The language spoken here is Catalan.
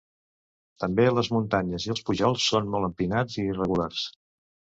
També les muntanyes i els pujols són molt empinats i irregulars.